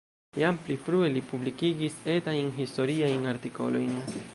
Jam pli frue li publikigis etajn historiajn artikolojn.